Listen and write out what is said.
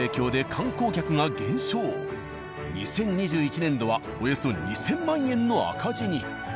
２０２１年度はおよそ２０００万円の赤字に。